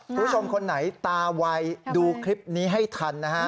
คุณผู้ชมคนไหนตาวัยดูคลิปนี้ให้ทัน